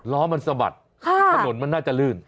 ล้อมันสะบัดถนนมันน่าจะลื่น